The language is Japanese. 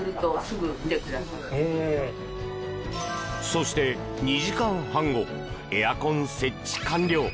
そして、２時間半後エアコン設置完了。